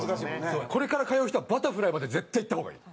これから通う人はバタフライまで絶対いった方がいい。